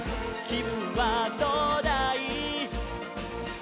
「きぶんはどうだい？」